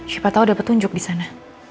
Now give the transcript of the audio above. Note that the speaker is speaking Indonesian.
siapa tahu dapet tunjuk di sana